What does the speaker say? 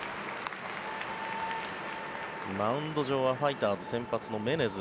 マウンド上はファイターズ先発のメネズ。